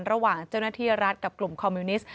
ระหว่างเจ้าหน้าที่รัฐกับกลุ่มคอมมิวนิสต